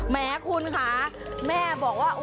แม้คุณค่ะแม่บอกว่า